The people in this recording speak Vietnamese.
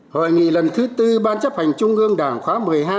hội nghị lần thứ tư ban chấp hành trung ương đảng khóa một mươi hai